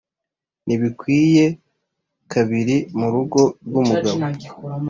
ntibikwiye kabiri mu rugo rw’umugabo